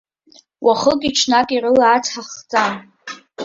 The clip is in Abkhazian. Уахыки-ҽнаки рыла ацҳа хҵан.